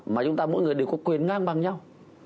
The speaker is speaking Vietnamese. mà chúng ta mỗi người đều có quyền ngang bằng nhau